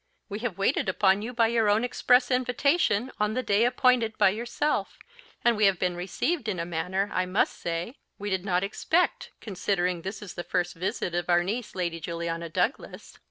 We have waited upon you by your own express invitation on the day appointed by yourself; and we have been received in a manner, I must say, we did not expect, considering this is the first visit of our niece Lady Juliana Douglas."